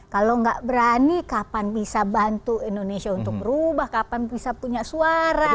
kalau nggak berani kapan bisa bantu indonesia untuk berubah kapan bisa punya suara